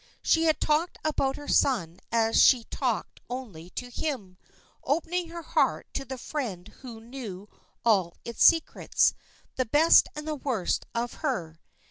She had talked about her son as she talked only to him, opening her heart to the friend who knew all its secrets, the best and the worst of her.